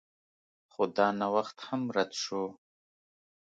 خو دا نوښت هم رد شو.